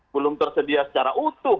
belum tersedia secara utuh